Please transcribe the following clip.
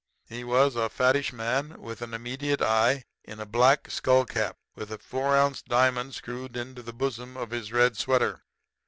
He was a fattish man with an immediate eye, in a black skull cap, with a four ounce diamond screwed into the bosom of his red sweater.